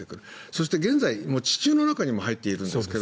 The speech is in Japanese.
そして、現在、地中の中にも入っているんですが。